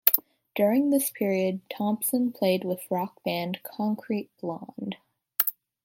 During this period Thompson played with rock band Concrete Blonde.